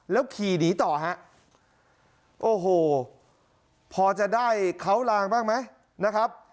แล้วขี่หนีต่อฮะโอ้โหพอจะได้เขาลางบ้างไหมนะครับ